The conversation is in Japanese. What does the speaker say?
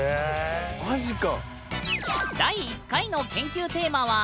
マジか！